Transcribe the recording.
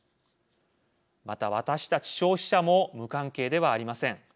また私たち消費者も無関係ではありません。